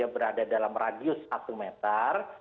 berada dalam radius satu meter